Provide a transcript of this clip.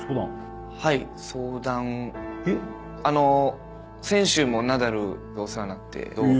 あの先週もナダルがお世話になって。